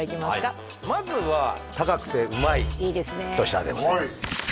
はいまずは高くてうまい一品でございます